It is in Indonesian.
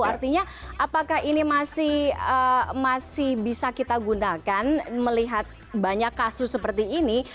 artinya apakah ini masih bisa kita gunakan melihat banyak kasus seperti ini